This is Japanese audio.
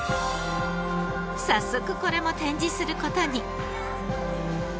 早速これも展示する事に。